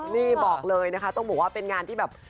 นี่บอกเลยนะคะต้องบอกว่าเป็นงานที่แบบ